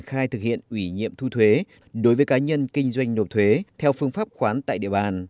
kinh doanh nộp thuế theo phương pháp khoán tại địa bàn